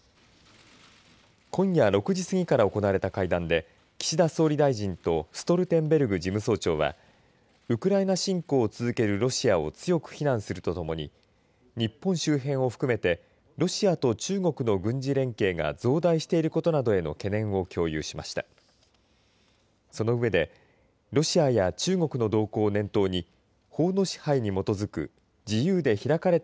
今夜６時過ぎから行われた会談で岸田総理大臣とストルテンベルグ事務総長はウクライナ侵攻を続けるロシアを強く非難するとともに日本周辺を含めてロシアと中国の軍事連携が増大していることなどへの懸念を共有しました。